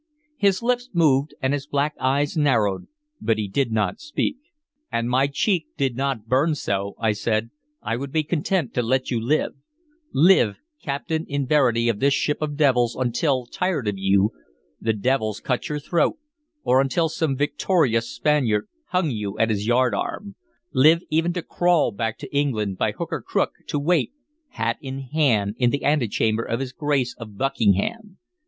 His lips moved and his black eyes narrowed, but he did not speak. "An my cheek did not burn so," I said, "I would be content to let you live; live, captain in verity of this ship of devils, until, tired of you, the devils cut your throat, or until some victorious Spaniard hung you at his yardarm; live even to crawl back to England, by hook or crook, to wait, hat in hand, in the antechamber of his Grace of Buckingham.